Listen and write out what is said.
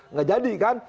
nggak jadi kan